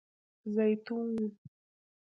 🫒 زیتون